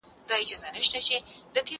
زه مېوې نه وچوم!.